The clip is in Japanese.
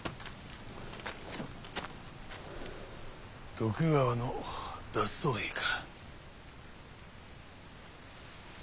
徳川の脱走兵か？